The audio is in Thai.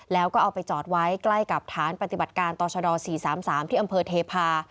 แล้วก็เอาไปจอดไว้ใกล้กับฐานปฏิบัติการต่อชด๔๓๓ที่อำเภอเทพา